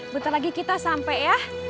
bentar lagi kita sampai ya